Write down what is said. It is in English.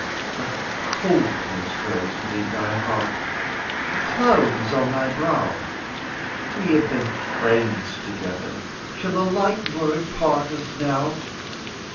But coldness dwells within thy heart, A cloud is on thy brow; We have been friends together, Shall a light word part us now?